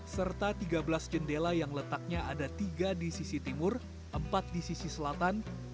serta tiga belas jendela yang letaknya ada tiga di sisi timur empat di sisi selatan